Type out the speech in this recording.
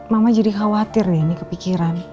mama jadi khawatir nih kepikiran